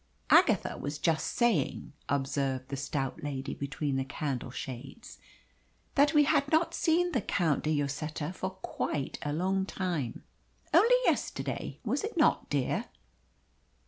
"Agatha was just saying," observed the stout lady between the candle shades, "that we had not seen the Count de Lloseta for quite a long time. Only yesterday, was it not, dear?"